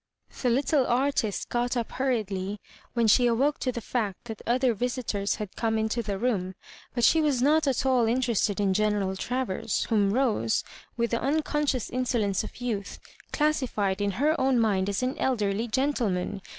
The little artist got up hurriedly when she awoke to the fact that other visitors had come into the room, but she was not at all interested in General Travers, whom Rose, with the uncon scious insolence of youth, classified in her own mind as an elderly gentleman.